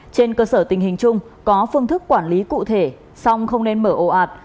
trên cơ sở tình hình chung có phương thức quản lý cụ thể song không nên mở ồ ạt